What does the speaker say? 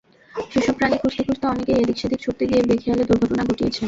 সেসব প্রাণী খুঁজতে খুঁজতে অনেকেই এদিক-সেদিক ছুটতে গিয়ে বেখেয়ালে দুর্ঘটনা ঘটিয়েছেন।